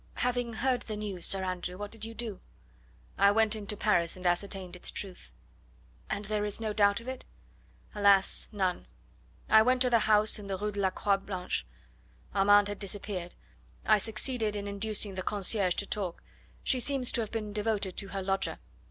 "Having heard the news, Sir Andrew, what did you do?" "I went into Paris and ascertained its truth." "And there is no doubt of it?" "Alas, none! I went to the house in the Rue de la Croix Blanche. Armand had disappeared. I succeeded in inducing the concierge to talk. She seems to have been devoted to her lodger.